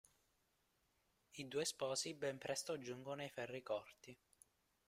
I due sposi ben presto giungono ai ferri corti.